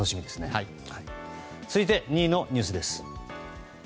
続いて２位のニュースです。